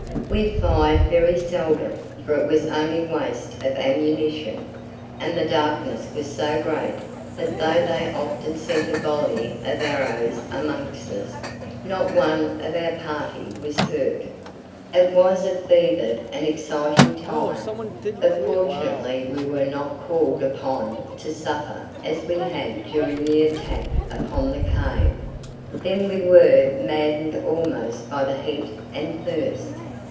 We fired very seldom, for it was only waste of ammunition, and the darkness was so great that though they often sent a volley of arrows amongst us, not one of our party was hurt. It was a fevered and exciting time, but fortunately we were not called upon to suffer as we had during the attack upon the cave. Then we were maddened almost by the heat and thirst.